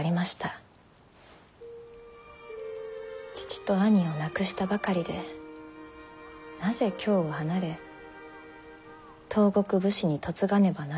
父と兄を亡くしたばかりでなぜ京を離れ東国武士に嫁がねばならぬのだと。